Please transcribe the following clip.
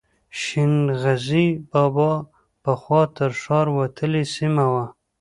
شین غزي بابا پخوا تر ښار وتلې سیمه وه.